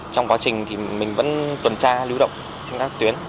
trong quá trình thì mình vẫn tuần tra lưu động trên các tuyến